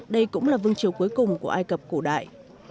đây cũng là vương triều cuối cùng của ai cập cổ đại